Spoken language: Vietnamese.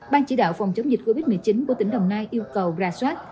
ban chỉ đạo phòng chống dịch covid một mươi chín của tỉnh đồng nai yêu cầu ra soát